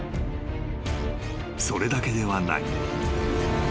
［それだけではない］